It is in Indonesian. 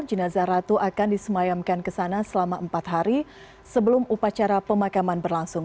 jenazah ratu akan disemayamkan ke sana selama empat hari sebelum upacara pemakaman berlangsung